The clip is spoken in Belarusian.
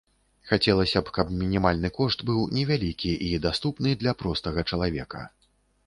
Хацелася б каб мінімальны кошт быў невялікі і даступны для простага чалавека.